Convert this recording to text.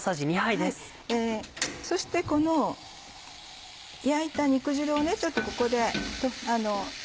そしてこの焼いた肉汁をここで。